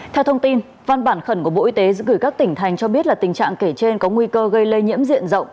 theo thông tin văn bản khẩn của bộ y tế giữ gửi các tỉnh thành cho biết là tình trạng kể trên có nguy cơ gây lây nhiễm diện rộng